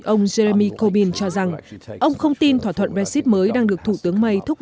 ông jeremy corbyl cho rằng ông không tin thỏa thuận brexit mới đang được thủ tướng may thúc